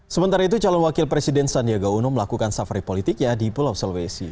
sementara itu calon wakil presiden sandiaga uno melakukan safari politiknya di pulau sulawesi